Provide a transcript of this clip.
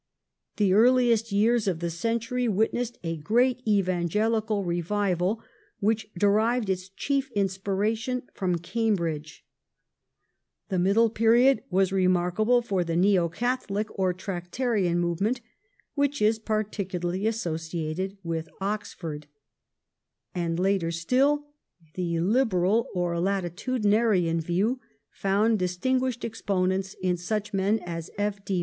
The earliest years of the century witnessed a great Evangelical revival which derived its chief inspiration from Cam bridge ; the middle period was remarkable for the Neo Catholic or Tractarian movement which is particularly associated with Oxford, and, later still, the liberal or latitudinarian view found distinguished exponents in such men as F. D.